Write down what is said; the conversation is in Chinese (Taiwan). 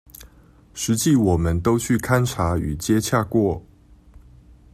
實際我們都去勘查與接洽過